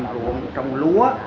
rượu trồng lúa